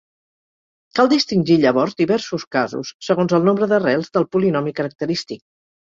Cal distingir llavors diversos casos, segons el nombre d'arrels del polinomi característic.